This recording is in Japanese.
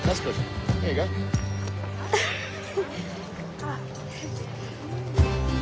あっ。